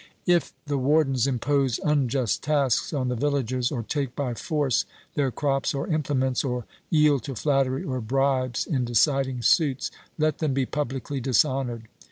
If the wardens impose unjust tasks on the villagers, or take by force their crops or implements, or yield to flattery or bribes in deciding suits, let them be publicly dishonoured.